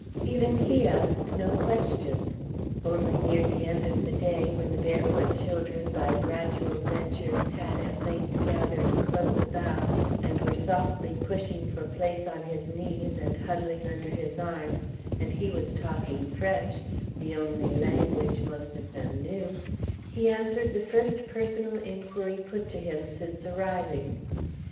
Even he asked no questions. Only near the end of the day, when the barefoot children by gradual ventures had at length gathered close about and were softly pushing for place on his knees, and huddling under his arms, and he was talking French, the only language most of them knew, he answered the first personal inquiry put to him since arriving.